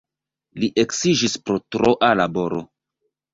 Li eksiĝis pro troa laboro.